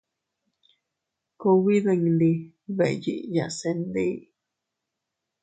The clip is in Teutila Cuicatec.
Kugbi dindi beʼeyiya se ndi.